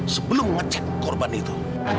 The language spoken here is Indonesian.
sebelum ngecek korban itu